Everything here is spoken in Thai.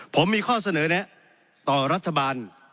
ผมมีข้อเสนอแนะต่อรัฐบาล